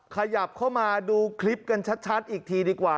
ขยับเข้ามาดูคลิปกันชัดอีกทีดีกว่า